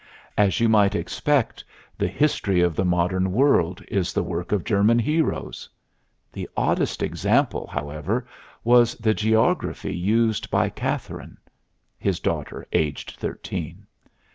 As you might expect, the history of the modern world is the work of German Heroes. The oddest example, however, was the geography used by Katherine. (His daughter, aged thirteen.)